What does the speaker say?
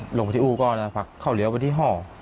ผมก็ลงไปที่อู่ซ่อมรถก็นะครับพักเขาเลี้ยวไปที่ห้อ